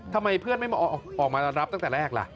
ทำไมเพื่อนไม่ออกมารับตั้งแต่แรกล่ะ